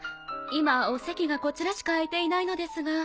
今お席がこちらしか空いていないのですが。